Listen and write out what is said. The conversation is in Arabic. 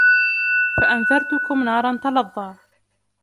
فَأَنْذَرْتُكُمْ نَارًا تَلَظَّى